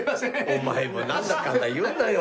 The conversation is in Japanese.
お前もなんだかんだ言うなよ。